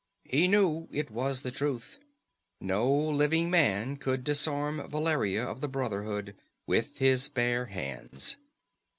He knew it was the truth. No living man could disarm Valeria of the Brotherhood with his bare hands.